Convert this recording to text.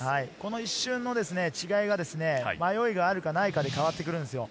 一瞬の違いが迷いがあるかないかで変わってくるんです。